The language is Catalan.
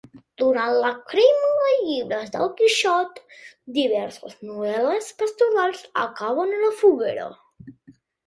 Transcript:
Durant la crema de llibres del Quixot, diverses novel·les pastorals acaben a la foguera.